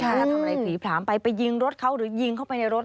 ถ้าทำอะไรผลีผลามไปไปยิงรถเขาหรือยิงเข้าไปในรถ